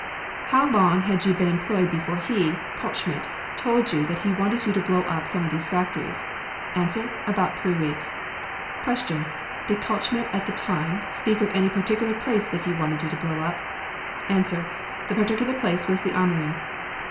How long had you been employed before he (Kaltschmidt) told you that he wanted you to blow up some of these factories? A. About three weeks. Q. Did Kaltschmidt at the time speak of any particular place that he wanted you to blow up? A. The particular place was the Armory.